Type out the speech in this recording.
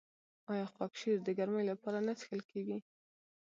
آیا خاکشیر د ګرمۍ لپاره نه څښل کیږي؟